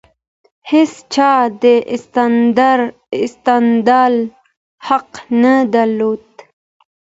هيچا د استدلال حق نه درلود.